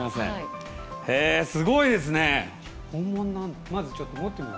すごいですね。